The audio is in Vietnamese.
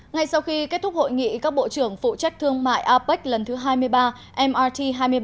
ngay sau khi kết thúc hội nghị các bộ trưởng phụ trách thương mại apec lần thứ hai mươi ba mrt hai mươi bảy